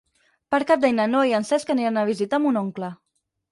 Per Cap d'Any na Noa i en Cesc aniran a visitar mon oncle.